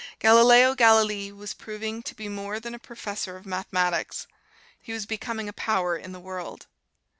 Galileo Galilei was getting to be more than a professor of mathematics he was becoming a power in the world.